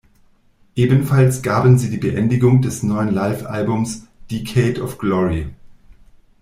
Ebenfalls gaben sie die Beendigung des neuen Livealbums "Decade of Glory!